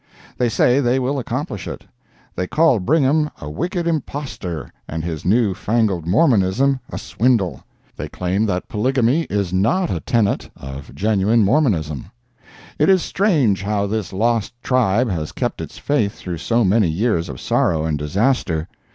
They say they will accomplish it. They call Brigham a wicked imposter and his new fangled Mormonism a swindle. They claim that polygamy is not a tenet of genuine Mormonism. It is strange how this lost tribe has kept its faith through so many years of sorrow and disaster.